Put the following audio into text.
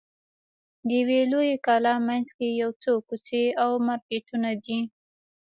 د یوې لویې کلا منځ کې یو څو کوڅې او مارکېټونه دي.